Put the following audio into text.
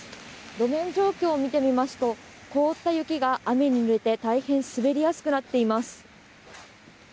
路面状況を見てみますと凍った雪が雨にぬれて大変滑りやすくなっています。